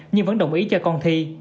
nhưng vẫn đồng ý cho con thi